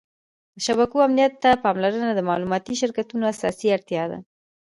د شبکو امنیت ته پاملرنه د معلوماتي شرکتونو اساسي اړتیا ده.